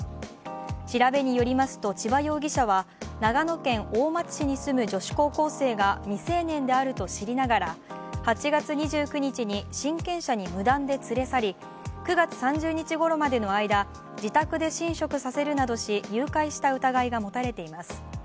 調べによりますと千葉容疑者は長野県大町市に住む女子高校生が未成年であると知りながら８月２９日に親権者に無断で連れ去り９月３０日ごろまでの間、自宅で寝食させるなどし誘拐した疑いが持たれています。